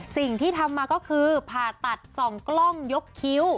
สิ่งที่ทำมาก็คือผ่าตัดส่องกล้องยกคิ้ว